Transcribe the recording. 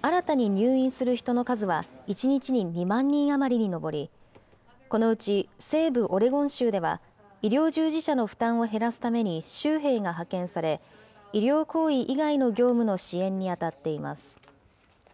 新たに入院する人の数は１日に２万人余りに上り、このうち西部オレゴン州では、医療従事者の負担を減らすために州兵が派遣され、医療行為以外の業務の支援に当たっています。